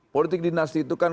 politik dinasti itu kan